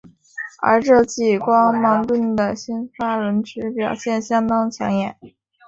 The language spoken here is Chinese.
而这季光芒队的先发轮值表现相当抢眼。